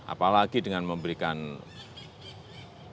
apalagi dengan memberikan kebebasan